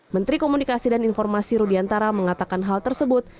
menteri komunikasi dan informasi rudiantara mengatakan hal tersebut